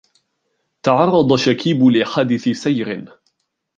.تعرض شكيب لحادث سير